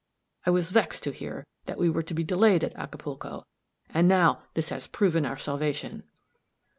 I was vexed to hear that we were to be delayed at Acapulco, and now this has proven our salvation."